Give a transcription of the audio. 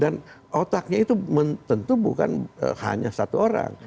dan otaknya itu tentu bukan hanya satu orang